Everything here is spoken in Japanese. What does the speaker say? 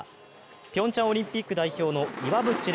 ピョンチャンオリンピック代表の岩渕麗